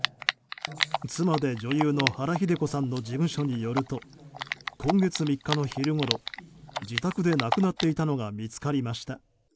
妻で女優の原日出子さんの事務所によると今月３日の昼ごろ自宅で亡くなっていたのが見つかりました。